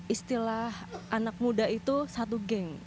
istilah anak muda itu satu geng